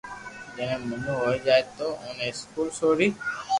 جيڻي موٽو ھوئي جائي تو ائني اسڪول سوري